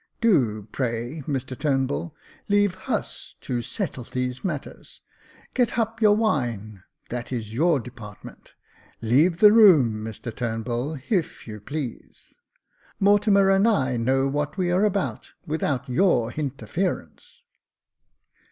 " Do, pray, Mr Turnbull, leave Z^us to settle these matters. Get /6up your wine ; that is your department. Leave the room, Mr Turnbull, ^if you please. Mortimer and I know what we are about, without your ifinterference."